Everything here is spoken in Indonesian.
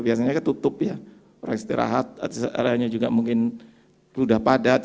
biasanya ketutup ya rest area juga mungkin sudah padat